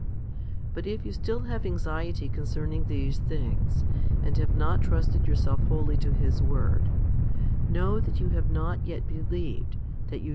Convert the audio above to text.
l But if you still have anxiety concerning these things, and have not trusted yourself wholly to His word, know that you have not yet believed that you shall 1 Matt.